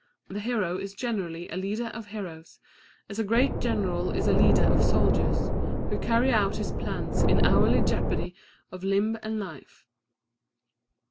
The hero is generally a leader of heroes, as a great general is a leader of soldiers who carry out his plans in hourly jeopardy of limb and life.